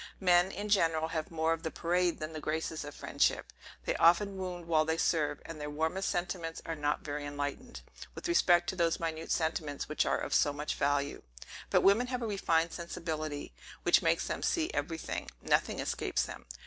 Men, in general, have more of the parade than the graces of friendship. They often wound while they serve; and their warmest sentiments are not very enlightened, with respect to those minute sentiments which are of so much value. But women have a refined sensibility, which makes them see every thing; nothing escapes them.